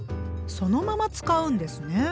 そのまま使うんですね。